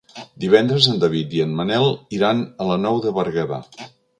Divendres en David i en Manel iran a la Nou de Berguedà.